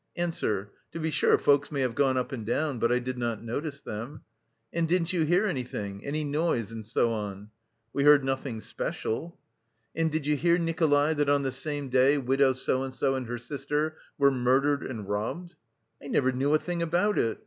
answer: 'To be sure folks may have gone up and down, but I did not notice them.' 'And didn't you hear anything, any noise, and so on?' 'We heard nothing special.' 'And did you hear, Nikolay, that on the same day Widow So and so and her sister were murdered and robbed?' 'I never knew a thing about it.